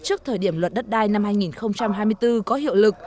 trước thời điểm luật đất đai năm hai nghìn hai mươi bốn có hiệu lực